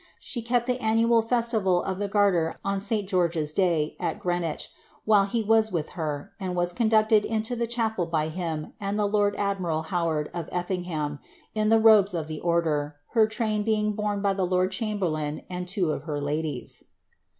She kept the annual festival of the gurter on St George's day, at Greenwich, while he was with her, and was conducted into the chapel by him and the lord admiral Howard of Effingham, in the robes of the order, her train being borne by the lord* chamberlain and two of her ladies.